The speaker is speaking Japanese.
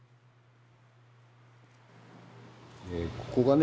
ここがね